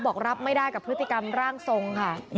บอกรับไม่ได้กับพฤติกรรมร่างทรงค่ะ